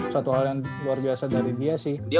satu hal yang luar biasa dari dia sih